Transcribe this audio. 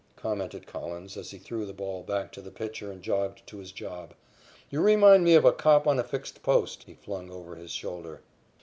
commented Collins as he threw the ball back to the pitcher and jogged to his job. "You remind me of a cop on a fixed post," he flung over his shoulder.